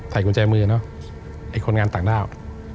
ใส่กุญแจมือนะไอคนงานตากราว